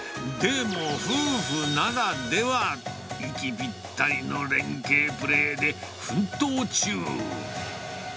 でも、夫婦ならでは、息ぴったりの連携プレーで、奮闘中。